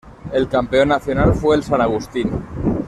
El campeón nacional fue el San Agustín.